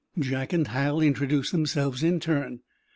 Jack and Hal introduced themselves in turn.